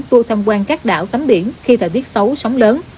tu thăm quan các đảo tắm biển khi thời tiết xấu sóng lớn